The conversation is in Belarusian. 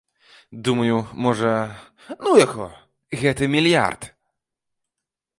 Думаю, можа, ну яго, гэты мільярд?